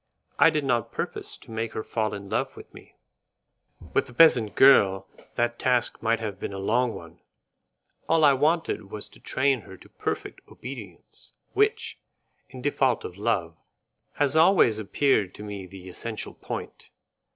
I did not purpose to make her fall in love with me; with a peasant girl that task might have been a long one; all I wanted was to train her to perfect obedience, which, in default of love, has always appeared to me the essential point.